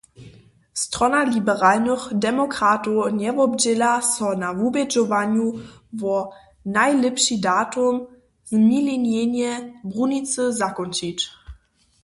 Strona liberalnych demokratow njewobdźěla so na wubědźowanju wo najlěpši datum, zmilinjenje brunicy zakónčić.